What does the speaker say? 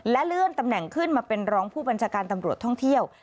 และเลื่อนตำแหน่งขึ้นมาเป็นรองผู้บัญชาการตำรวจท่องเที่ยว